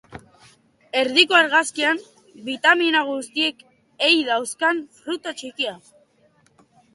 Erdiko argazkian, bitamina guztiak ei dauzkan fruta txikia.